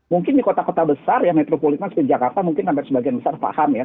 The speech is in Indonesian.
mungkin di kota kota besar ya metropolitan seperti jakarta mungkin hampir sebagian besar paham ya